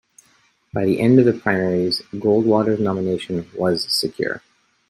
By the end of the primaries, Goldwater's nomination was secure.